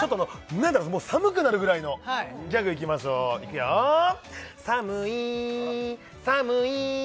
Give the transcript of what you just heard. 何だろうもう寒くなるぐらいのギャグいきましょういくよ寒い寒い